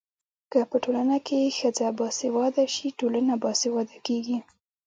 که په ټولنه کي ښځه باسواده سي ټولنه باسواده کيږي.